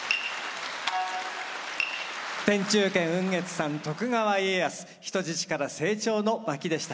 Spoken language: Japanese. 天中軒雲月さん「徳川家康人質から成長の巻」でした。